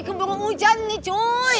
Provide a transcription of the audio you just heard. keburu hujan nih cuy